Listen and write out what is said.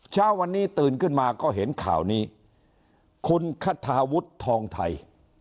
เช้าวันนี้ตื่นขึ้นมาก็เห็นข่าวนี้คุณคาทาวุฒิทองไทย